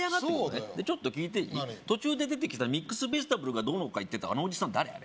そうだよちょっと聞いて途中で出てきたミックスベジタブルがどうのとか言ってたあのオジサン誰？